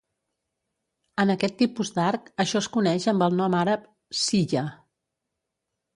En aquest tipus d'arc, això es coneix amb el nom àrab "siyah".